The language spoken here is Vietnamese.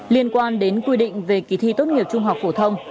liên quan đến quy định về kỳ thi tốt nghiệp trung học phổ thông